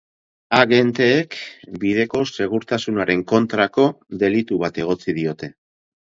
Agenteek bideko segurtasunaren kontrako delitu bat egotzi diote.